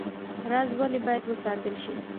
راز ولې باید وساتل شي؟